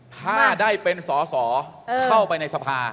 ถ้าได้เป็นสอสอเข้าไปในสภา